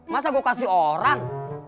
masa gue kasih orang